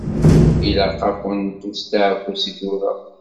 Ilaq-akent usteɛfu seg tura.